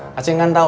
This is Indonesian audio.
masih berani kamu